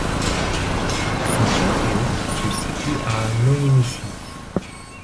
Son chef-lieu se situe à Noyers-Missy.